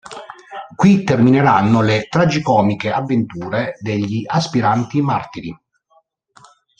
Qui termineranno le tragicomiche avventure degli aspiranti martiri.